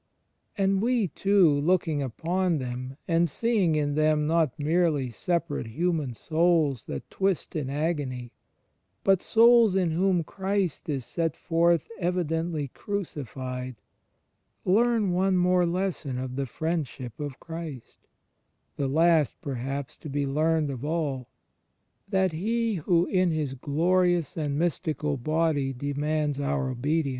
And we, too, looking upon them and seeing in them not merely separate human souls that twist in agony, but souls in whom Christ is set forth evidently crucified, learn one more lesson of the Friendship of Christ — the last, perhaps, to be learned of all — that He who in His glorious and mystical Body demands our obedience.